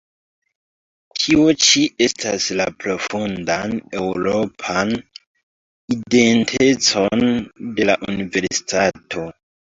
Tio ĉi atestas la profundan eŭropan identecon de la Universitato.